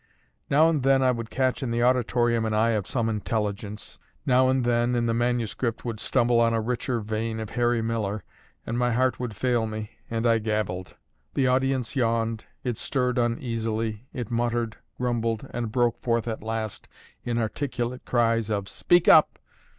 Now and then I would catch in the auditorium an eye of some intelligence, now and then, in the manuscript, would stumble on a richer vein of Harry Miller, and my heart would fail me, and I gabbled. The audience yawned, it stirred uneasily, it muttered, grumbled, and broke forth at last in articulate cries of "Speak up!"